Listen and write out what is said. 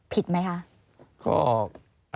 ผิดไหมคะ